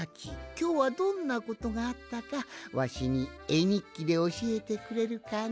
きょうはどんなことがあったかわしにえにっきでおしえてくれるかの？